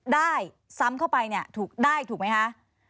ได้ซ้ำเข้าไปได้ถูกไหมคะ